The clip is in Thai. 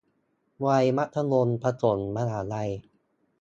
วัยมัธยมผสมมหาลัย